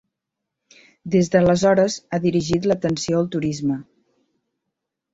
Des d'aleshores ha dirigit l'atenció al turisme.